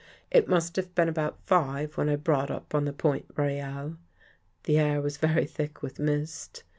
It must have been about five when I brought up on the Pont Royale. The air was very thick with mist.